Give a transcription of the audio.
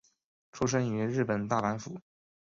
出身于日本大阪府。